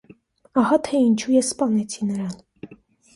Ահա թե ինչու ես սպանեցի նրան։